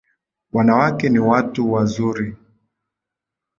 Wanawake ni watu wazuri.